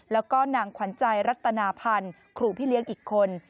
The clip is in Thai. แล้วก็นางขวัญใจรัตนาพันธ์ครูพี่เลี้ยงอีกคน